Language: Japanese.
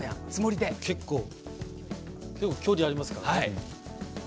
結構距離がありますね。